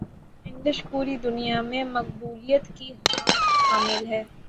English پوری دنیا میں مقبولیت کی حامل ہے